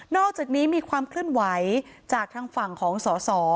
อกจากนี้มีความเคลื่อนไหวจากทางฝั่งของสส